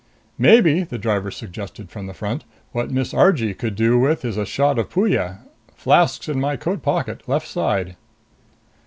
"Maybe," the driver suggested from the front, "what Miss Argee could do with is a shot of Puya. Flask's in my coat pocket. Left side."